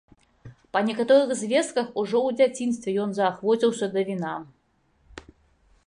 Па некаторых звестках, ужо ў дзяцінстве ён заахвоціўся да віна.